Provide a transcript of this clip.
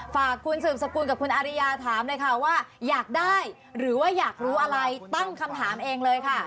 ฝากคุณสืบสกุลกับคุณอาริยาถามเลยค่ะว่าอยากได้หรือว่าอยากรู้อะไรตั้งคำถามเองเลยค่ะ